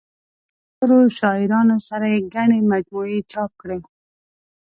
له نورو شاعرانو سره یې ګڼې مجموعې چاپ کړې.